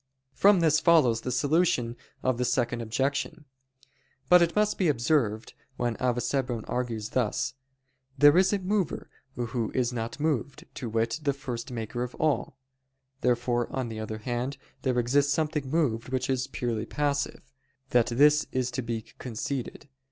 From this follows the solution of the second objection. But it must be observed, when Avicebron argues thus, "There is a mover who is not moved, to wit, the first maker of all; therefore, on the other hand, there exists something moved which is purely passive," that this is to be conceded.